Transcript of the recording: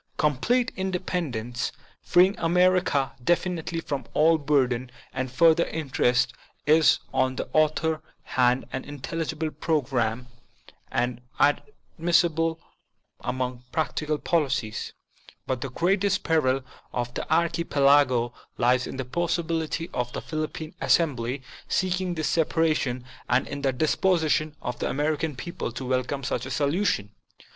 Complete independence, freeing America definitely from all burden and further interest, is on the other hand an intelligible program and admissible among practical policies ; but the greatest peril of the Archi pelago lies in the possibility of the Philippine Assembly seeking this separation and in the disposition of the PREFACE 5 American people to welcome such a solution.